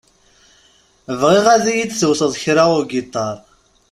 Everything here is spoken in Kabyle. Bɣiɣ ad yi-d-tewteḍ kra ugiṭar.